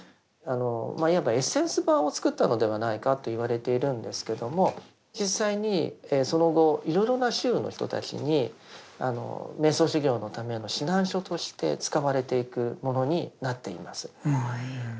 いわばエッセンス版を作ったのではないかと言われているんですけども実際にその後いろいろな宗の人たちに瞑想修行のための指南書として使われていくものになっています。